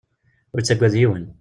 Ur yettagad yiwen.